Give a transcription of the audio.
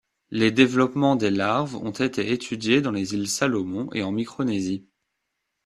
Les développements des larves ont été étudiés dans les îles Salomon et en Micronésie.